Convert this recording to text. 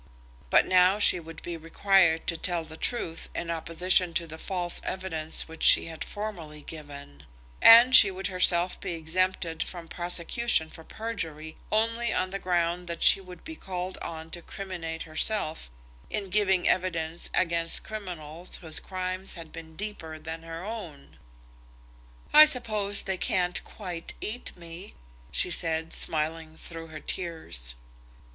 But now she would be required to tell the truth in opposition to the false evidence which she had formerly given; and she would herself be exempted from prosecution for perjury only on the ground that she would be called on to criminate herself in giving evidence against criminals whose crimes had been deeper than her own. "I suppose they can't quite eat me," she said, smiling through her tears.